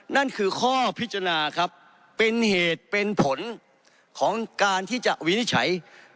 นั่นคือข้อพิจารณาครับเป็นเหตุเป็นผลของการที่จะวินิจฉัย